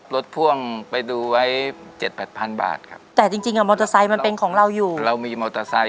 รถพ่วงไปดูไว้๗๘๐๐๐บาทครับ